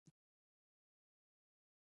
واوره د افغانستان د طبیعي زیرمو یوه برخه ده.